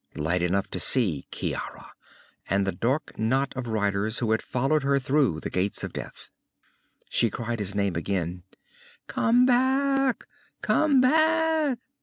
Light enough to see Ciara, and the dark knot of riders who had followed her through the Gates of Death. She cried his name again. "Come back! Come back!"